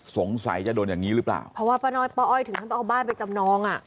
สงสัยจะโดนอย่างนี้หรือเปล่าเพราะว่าป้าน้อยป้าอ้อยถึงขั้นต้องเอาบ้านไปจำนองอ่ะ